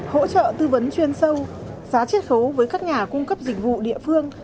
hỗ trợ tư vấn chuyên sâu giá triết khấu với các nhà cung cấp dịch vụ địa phương